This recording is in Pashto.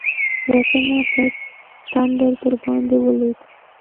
رټنه؛ څه تندر درباندې ولوېد؟!